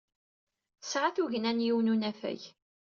Tesɛa tugna n yiwen n unafag.